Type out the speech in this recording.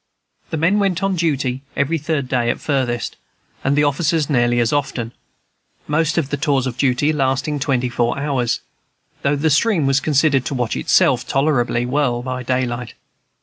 The men went on duty every third day at furthest, and the officers nearly as often, most of the tours of duty lasting twenty four hours, though the stream was considered to watch itself tolerably well by daylight.